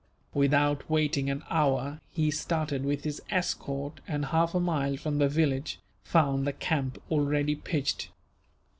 Without waiting an hour he started with his escort and, half a mile from the village, found the camp already pitched.